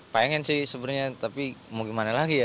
pengen sih sebenarnya tapi mau gimana lagi ya